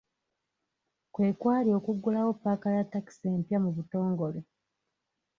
Kwe kwali okuggulawo ppaaka ya ttakisi empya mu butongole.